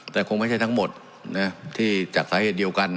แต่คงไม่ใช่ทั้งหมดที่จากสาเหตุเดียวกัน